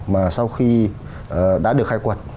mà sau khi đã được khai quật